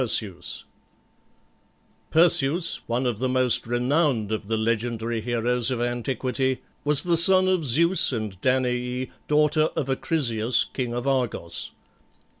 PERSEUS. Perseus, one of the most renowned of the legendary heroes of antiquity, was the son of Zeus and Danaë, daughter of Acrisius, king of Argos.